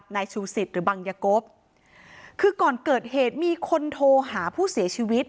นายชูศิษย์หรือบังยกบคือก่อนเกิดเหตุมีคนโทรหาผู้เสียชีวิต